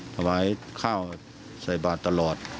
ถวายข้าวใส่บาทตลอด